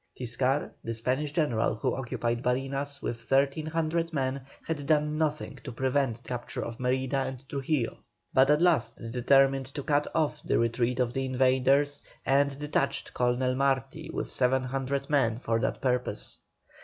Tiscar, the Spanish general, who occupied Barinas with 1,300 men, had done nothing to prevent the capture of Mérida and Trujillo, but at last determined to cut off the retreat of the invaders, and detached Colonel Marti with 700 men for that purpose.